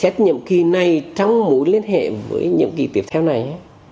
xét nhiệm kỳ này trong mối liên hệ với nhiệm kỳ tiếp theo này